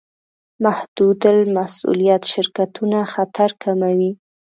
محدودالمسوولیت شرکتونه خطر کموي.